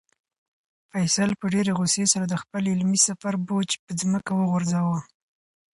فیصل په ډېرې غوسې سره د خپل علمي سفر بوج په ځمکه وغورځاوه.